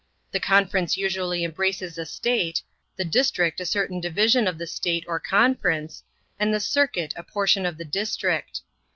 The conference usually embraces a State, the district a certain division of the State or conference, and the circuit a portion of the district.